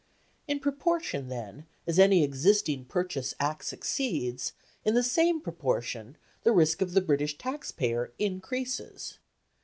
In proportion, then, as any existing purchase Act succeeds, in the same proportion the risk of the British taxpayer increases.